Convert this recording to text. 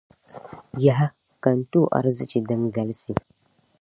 Yaha! Ka n-ti o arzichi din galsi.